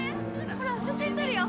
ほら写真撮るよ！